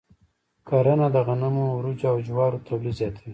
کرنه د غنمو، وريجو، او جوارو تولید زیاتوي.